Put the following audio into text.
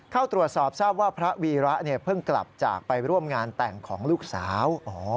เข้าตรวจสอบทราบว่าพระวีระเพิ่งกลับจากไปร่วมงานแต่งของลูกสาว